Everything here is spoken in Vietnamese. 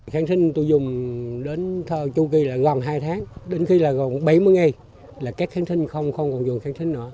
kháng sinh tôi dùng đến châu kỳ là gần hai tháng đến khi là gần bảy mươi ngày là các kháng sinh không còn dùng kháng sinh nữa